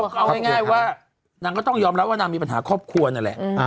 เอาง่ายว่านางก็ต้องยอมรับว่านางมีปัญหาครอบครัวนั่นแหละ